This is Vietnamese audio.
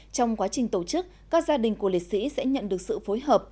trong quá trình tổ chức các gia đình của lịch sĩ sẽ nhận được sự phối hợp